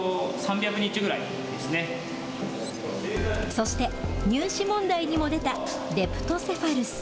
そして、入試問題にも出たレプトセファルス。